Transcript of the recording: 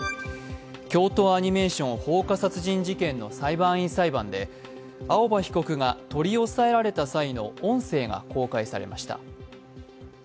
京都アニメーション放火殺人事件の裁判員裁判で青葉被告が取り押さえられた際の音声が公開されました。